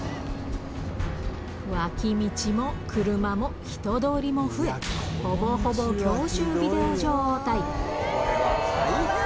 脇道も車も人通りも増え、ほぼほぼ教習ビデオ状態。